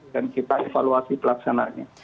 dan kita evaluasi pelaksananya